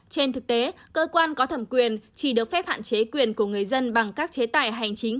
trên thực tế cơ quan có thẩm quyền chỉ được phép hạn chế quyền của người dân bằng các chế tài hành chính